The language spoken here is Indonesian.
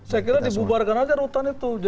saya kira dibubarkan aja rutan itu